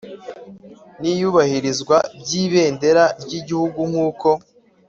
n iyubahirizwa by Ibendera ry Igihugu nk uko